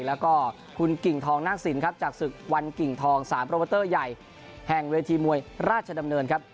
แล้วก็คุณกิ่งทองนาคสินครับจากศึกวันกิ่งทอง๓โปรโมเตอร์ใหญ่แห่งเวทีมวยราชดำเนินครับ